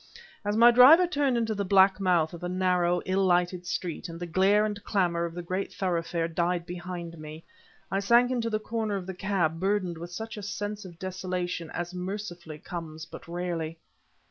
As my driver turned into the black mouth of a narrow, ill lighted street, and the glare and clamor of the greater thoroughfare died behind me, I sank into the corner of the cab burdened with such a sense of desolation as mercifully comes but rarely.